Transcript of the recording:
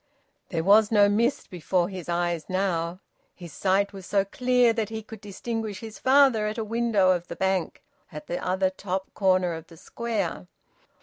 There was no mist before his eyes now. His sight was so clear that he could distinguish his father at a window of the Bank, at the other top corner of the Square.